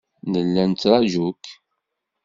Nella nettraju-k.